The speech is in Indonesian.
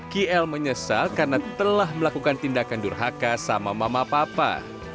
kiel menyesal karena telah melakukan tindakan durhaka sama mama papa